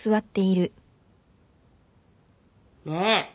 ねえ！